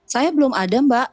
saya belum ada mbak